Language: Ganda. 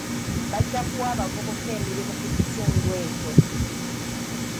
Bajja kuwa abavubuka emirimu mu kitundu ekyo.